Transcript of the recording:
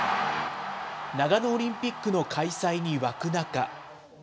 長野オリンピックの開催に沸く中。